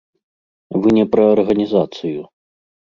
Вы не пра арганізацыю.